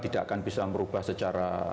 tidak akan bisa merubah secara